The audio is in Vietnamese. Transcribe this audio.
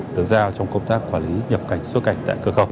được giao trong công tác quản lý nhập cảnh xuất cảnh tại cửa khẩu